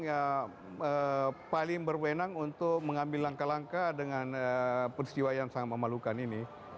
ya baik pak silakan